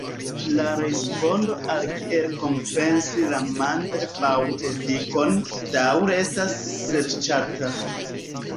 La respondo al kiel kompensi la "Mandelbaŭm-efikon" daŭre estas serĉata.